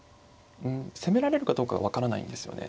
うん攻められるかどうかが分からないんですよね。